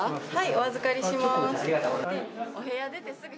お預かりします。